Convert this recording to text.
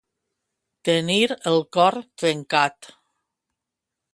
Tenir el cor trencat.